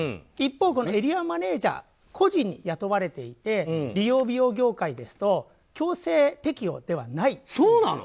一方、エリアマネジャー個人で雇われていて理容美容業界ですと強制適用ではない。